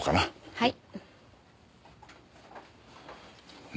はい？